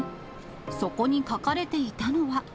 そこに書かれていたのは。